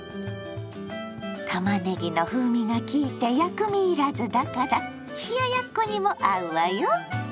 たまねぎの風味が効いて薬味いらずだから冷ややっこにも合うわよ。